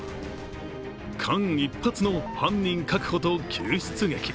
間一髪の犯人確保と救出劇。